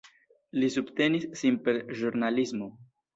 Li subtenis sin per ĵurnalismo.